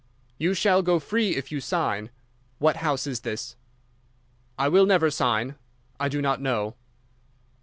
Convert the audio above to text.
_' "'You shall go free if you sign. What house is this?' "'I will never sign. _I do not know.